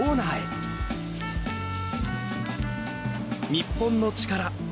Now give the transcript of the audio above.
『日本のチカラ』